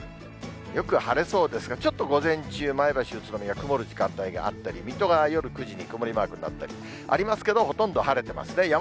よく晴れそうですが、ちょっと午前中、前橋、宇都宮、曇る時間帯があったり、水戸が夜９時に曇りマークになったりありますけれども、ほとんど晴れてますね。